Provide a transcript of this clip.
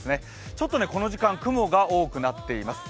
ちょっとこの時間、雲が多くなっています。